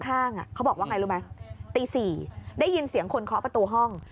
เขาบอกว่าไงรู้ไหมตี๔ได้ยินเสียงคนเคาะประตูห้อง